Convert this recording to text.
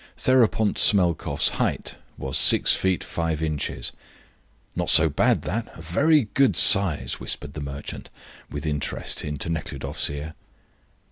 Theropont Smelkoff's height was six feet five inches. "Not so bad, that. A very good size," whispered the merchant, with interest, into Nekhludoff's ear.